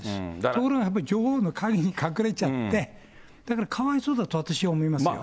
ところがやっぱり女王の陰に隠れちゃって、だからかわいそうだと私は思いますよ。